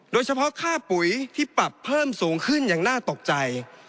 โดยเฉพาะค่าปุ๋ยที่ปรับเพิ่มสูงขึ้นอย่างน่าตกใจ